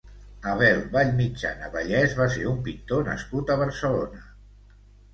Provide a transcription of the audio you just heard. Abel Vallmitjana Vallés va ser un pintor nascut a Barcelona.